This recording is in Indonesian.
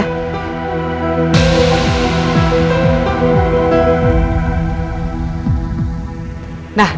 jangan lupa cari ya